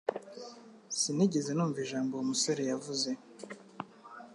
Sinigeze numva ijambo uwo musore yavuze.